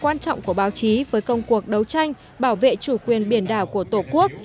quan trọng của báo chí với công cuộc đấu tranh bảo vệ chủ quyền biển đảo của tổ quốc